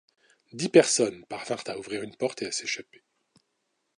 Dix personnes parvinrent à ouvrir une porte et à s'échapper.